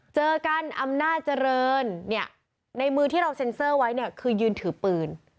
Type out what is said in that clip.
เจอกันอำนาจริงในมือที่เราเซ็นเซอร์ไว้คือยืนถือปืน